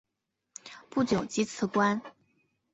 不久即辞官。